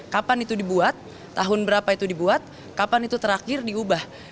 kapan itu dibuat tahun berapa itu dibuat kapan itu terakhir diubah